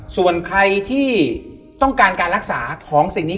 ส่วนใครที่ต้องการการรักษาของสิ่งนี้